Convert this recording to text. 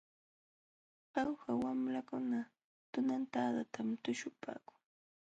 Jauja wamlakuna tunantadatam tuśhupaakun.